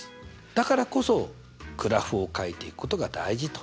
だからこそグラフをかいていくことが大事と。